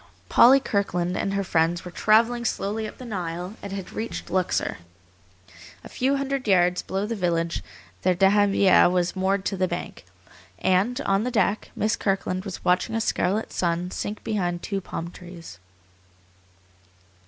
Polly Kirkland and her friends were travelling slowly up the Nile, and had reached Luxor. A few hundred yards below the village their dahabiyeh was moored to the bank, and, on the deck, Miss Kirkland was watching a scarlet sun sink behind two palm trees.